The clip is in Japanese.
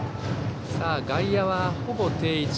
外野はほぼ定位置。